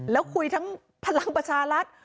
แล้วคุยทั้งพลังประชารัฐ